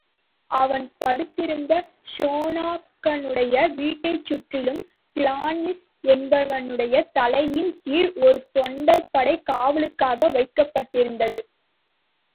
அவன் படுத்திருந்த ஷனாகனுடைய வீட்டைச்சுற்றிலும் கிளான்ஸி என்பவனுடைய தலைமையின் கீழ் ஒரு தொண்டர்படை காவலுக்காக வைக்கபட்டிருந்தது.